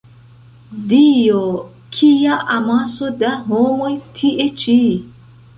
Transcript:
Dio! Kia amaso da homoj tie ĉi!